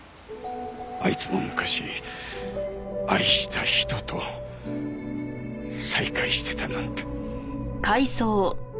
あいつも昔愛した人と再会してたなんて。